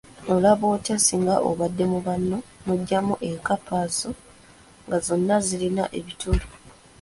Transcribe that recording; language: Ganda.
Olaba otya singa obadde mu banno n'oggyamu enkampa zo nga zonna ziriko ebituli.